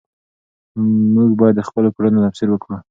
موږ باید د خپلو کړنو تفسیر وکړو.